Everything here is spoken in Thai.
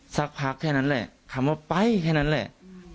สักพักแค่นั้นแหละคำว่าไปแค่นั้นแหละ